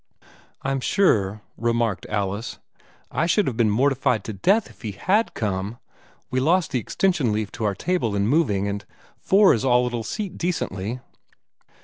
"I'm sure," remarked Alice, "I should have been mortified to death if he had come. We lost the extension leaf to our table in moving, and four is all it'll seat decently."